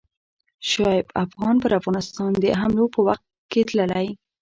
شعیب افغان پر افغانستان د حملو په وخت کې تللی.